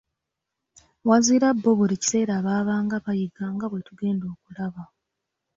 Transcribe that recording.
Wazira bo buli kiseera baabanga bayiga nga bwe tugenda okulaba.